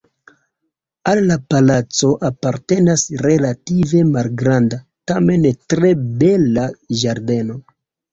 Al la palaco apartenas relative malgranda, tamen tre bela ĝardeno.